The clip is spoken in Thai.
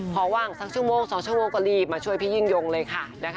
พอว่างสักชั่วโมง๒ชั่วโมงก็รีบมาช่วยพี่ยิ่งยงเลยค่ะ